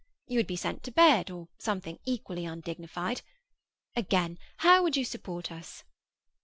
You would be sent to bed, or something equally undignified. Again, how would you support us?